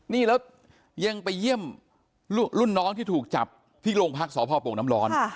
นี่แล้วยังไปเยี่ยมรุ่นน้องที่ถูกจับที่โรงพักษพโป่งน้ำร้อน